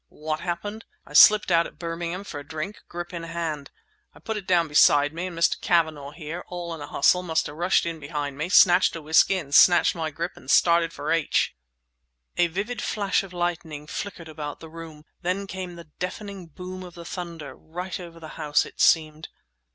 What happened? I slipped out at Birmingham for a drink—grip in hand! I put it down beside me, and Mr. Cavanagh here, all in a hustle, must have rushed in behind me, snatched a whisky and snatched my grip and started for H—!" A vivid flash of lightning flickered about the room. Then came the deafening boom of the thunder, right over the house it seemed.